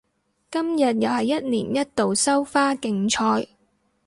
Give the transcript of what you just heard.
今日又係一年一度收花競賽